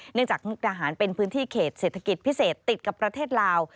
จากมุกดาหารเป็นพื้นที่เขตเศรษฐกิจพิเศษติดกับประเทศลาว